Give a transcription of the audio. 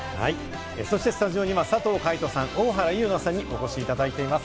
そしてスタジオには佐藤海音さん、大原優乃さんにお越しいただいています。